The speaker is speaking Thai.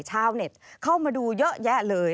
ชาวเน็ตเข้ามาดูเยอะแยะเลย